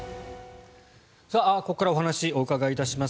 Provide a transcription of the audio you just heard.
ここからお話をお伺いいたします。